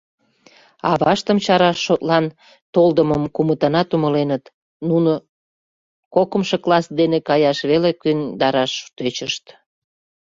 Аваштым чараш шотлан толдымым кумытынат умыленыт; нуно кокымшо класс дене каяш веле кӧндараш тӧчышт.